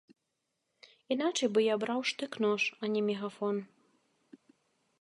Іначай бы я браў штык-нож, а не мегафон.